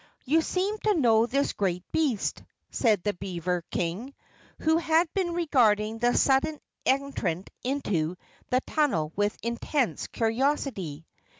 "You seem to know this great beast," said the beaver King, who had been regarding the sudden entrant into the tunnel with intense curiosity.